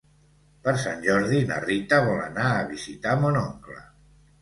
Per Sant Jordi na Rita vol anar a visitar mon oncle.